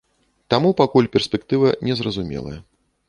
Таму пакуль перспектыва незразумелая.